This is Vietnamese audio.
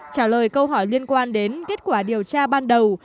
trả lời câu hỏi liên quan đến kết quả điều tra ban đầu